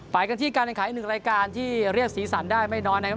ไปกันที่การแข่งขันหนึ่งรายการที่เรียกสีสันได้ไม่น้อยนะครับ